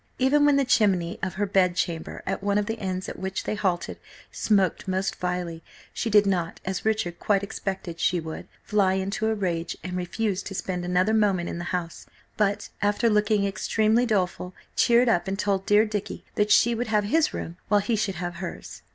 Even when the chimney of her bed chamber, at one of the inns at which they halted, smoked most vilely, she did not, as Richard quite expected she would, fly into a rage and refuse to spend another moment in the house, but after looking extremely doleful, cheered up and told dear Dicky that she would have his room while he should have hers.